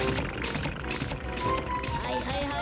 はいはいはいはい！